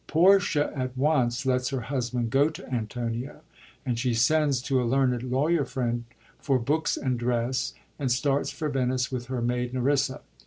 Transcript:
Portia at once lets her husband go to Antonio, and she sends to a learned lawyer friend for books and dress, and starts for Venice with her maid Nerissa.